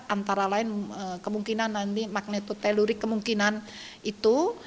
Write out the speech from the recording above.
antara lain kemungkinan nanti magnetotelurik kemungkinan itu